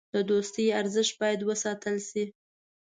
د دوستۍ ارزښت باید وساتل شي.